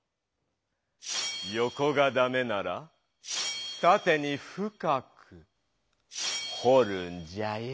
よこがダメならたてに深くほるんじゃよ。